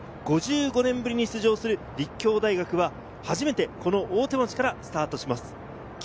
つまり、５５年ぶりに出場する立教大学は初めて、この大手町からスタートします。